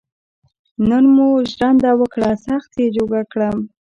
نن مو ژرنده وکړه سخت یې جوکه کړم.